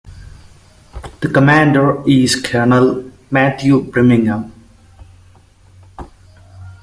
The commander is Colonel Matthew Birmingham.